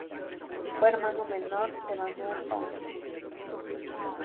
Fue hermano menor de Manuel Oms.